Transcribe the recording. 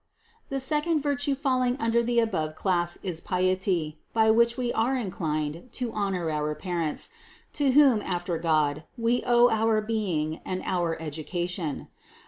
561. The second virtue falling under the above class is piety, by which we are inclined to honor our parents, to whom after God we owe our being and our education.